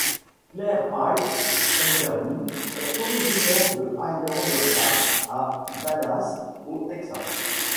Claire Hale Underwood est originaire de Highland Park, à Dallas, au Texas.